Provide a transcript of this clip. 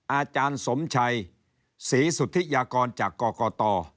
อาจารย์สมชัยศรีสุธิยากรจากกรกต